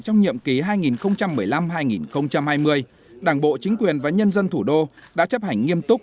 trong nhiệm ký hai nghìn một mươi năm hai nghìn hai mươi đảng bộ chính quyền và nhân dân thủ đô đã chấp hành nghiêm túc